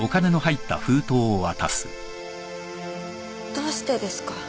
どうしてですか？